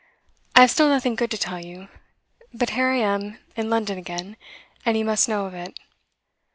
I have still nothing good to tell you, but here I am in London again, and you must know of it.